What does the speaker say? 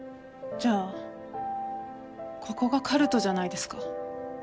じゃあここがカルトじゃないですか。